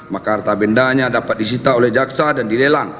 maka harta bendanya dapat disita oleh jaksa dan dilelang